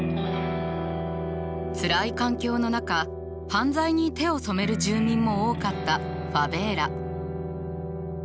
つらい環境の中犯罪に手を染める住民も多かったファベーラ。